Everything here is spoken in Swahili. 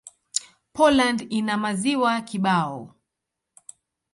Poland ina maziwa kibao.